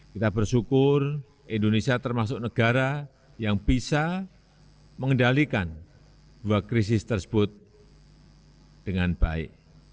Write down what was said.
kita bersyukur indonesia termasuk negara yang bisa mengendalikan dua krisis tersebut dengan baik